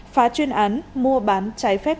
phá chuyên án mua bán trái phép